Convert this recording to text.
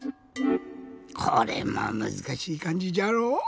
これもむずかしいかんじじゃろ。